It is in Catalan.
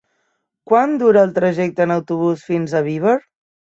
Quant dura el trajecte en autobús fins a Viver?